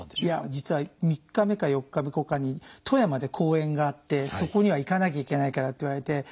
いや実は３日目か４日後かに富山で公演があってそこには行かなきゃいけないからって言われて。